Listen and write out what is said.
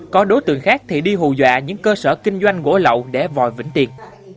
có đối tượng khác thì đi hù dọa những cơ sở kinh doanh gỗ lậu để vòi vĩnh tiệc